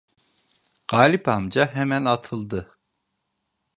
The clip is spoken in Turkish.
Galip amca hemen atıldı: